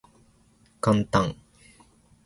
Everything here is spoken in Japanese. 元旦